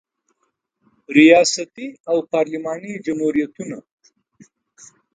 ریاستي او پارلماني جمهوریتونه